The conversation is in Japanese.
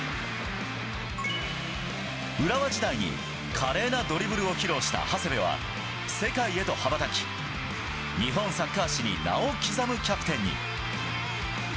浦和時代に、華麗なドリブルを披露した長谷部は、世界へと羽ばたき、日本サッカー史に名を刻むキャプテンに。